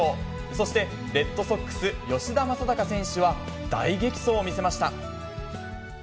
そしてレッドソックス、吉田正尚選手は、大激走を見せました。